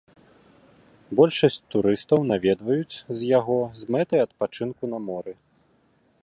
Большасць турыстаў наведваюць з яго з мэтай адпачынку на моры.